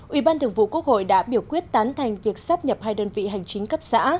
ủy ban thường vụ quốc hội đã biểu quyết tán thành việc sắp nhập hai đơn vị hành chính cấp xã